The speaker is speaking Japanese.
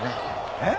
えっ？